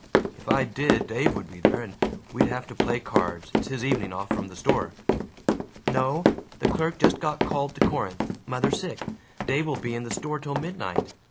"If I did, Dave would be there, and we'd have to play cards. It's his evening off from the store." "No. The clerk just got called to Corinth mother sick. Dave will be in the store till midnight.